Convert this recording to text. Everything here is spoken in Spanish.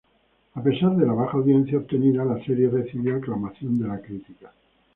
A pesar de la baja audiencia obtenida, la serie recibió aclamación de la crítica.